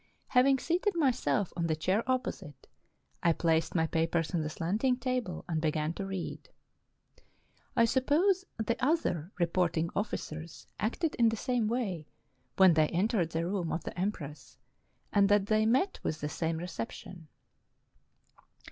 Having seated myself on the chair opposite, I placed my papers on the slanting table and began to read. I suppose the other reporting officers acted in the same way, when they entered the room of the empress, and that they met with the same reception.